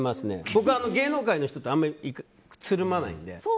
僕は芸能界の人とあんまりつるまないので。